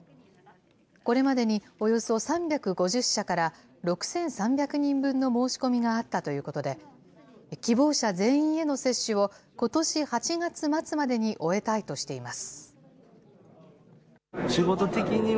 これまでにおよそ３５０社から、６３００人分の申し込みがあったということで、希望者全員への接種をことし８月末までに終えたいとしています。